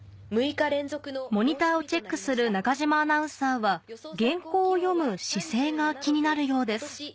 モニターをチェックする中島アナウンサーは原稿を読む姿勢が気になるようです